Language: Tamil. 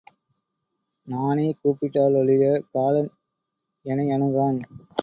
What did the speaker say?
நானே கூப்பிட்டா லொழிய காலன் எனையணுகான்.